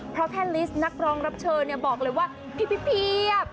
เพราะแพทย์ลิสต์นักร้องรับเชิญบอกเลยว่าเพียบ